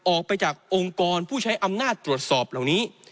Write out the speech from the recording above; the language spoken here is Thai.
ออกไปจากองค์กรผู้ใช้อำนาจตรวจสอบเหล่านี้